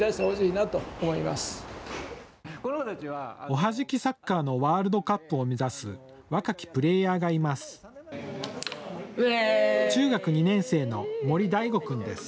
おはじきサッカーのワールドカップを目指す若きプレーヤーがいます。